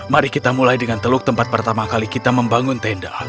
mari kita mulai dengan teluk tempat pertama kali kita membangun tenda